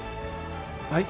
はい？